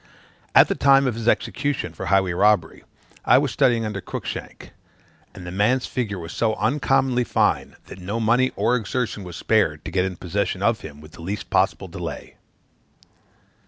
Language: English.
At the time of his execution for highway robbery, I was studying under Cruickshank: and the man's figure was so uncommonly fine, that no money or exertion was spared to get into possession of him with the least possible delay.